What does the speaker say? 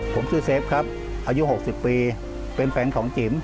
ผมชื่อเซฟครับอายุ๖๐ปีเป็นแฟนของจิ๋ม